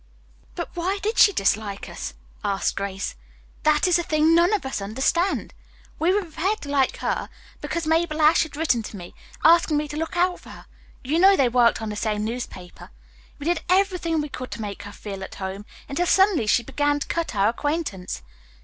"But why did she dislike us?" asked Grace. "That is the thing none of us understand. We were prepared to like her because Mabel Ashe had written me, asking me to look out for her. You know they worked on the same newspaper. We did everything we could to make her feel at home, until suddenly she began to cut our acquaintance.